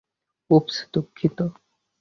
উপস, দুঃখিত।